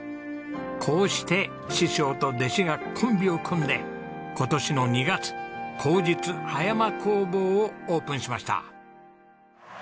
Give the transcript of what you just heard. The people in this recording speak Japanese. こうして師匠と弟子がコンビを組んで今年の２月好日葉山工房をオープンしました。